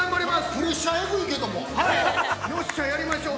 ◆プレッシャーえぐいけども、よっしゃやりましょう。